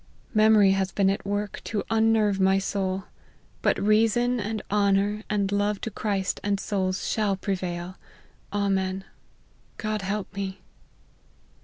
Memory has been at work to unnerve my soul : but reason, and honour, and love to Christ and souls shall prevail. Amen. God help me."